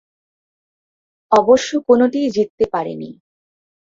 অবশ্য কোনটিই জিততে পারেনি।